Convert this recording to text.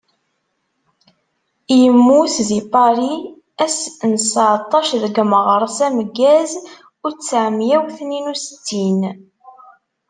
Yemmut di Paris, ass n seεṭac deg meɣres ameggaz u tesεemya u tnin u setin.